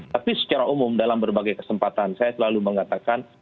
tapi secara umum dalam berbagai kesempatan saya selalu mengatakan